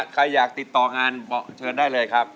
ใครอยากติดต่องานบอกเชิญได้เลยครับ